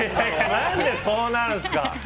何でそうなるんすか！